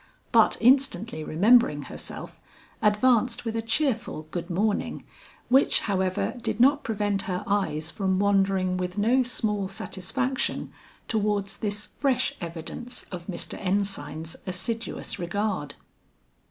But instantly remembering herself, advanced with a cheerful good morning, which however did not prevent her eyes from wandering with no small satisfaction towards this fresh evidence of Mr. Ensign's assiduous regard.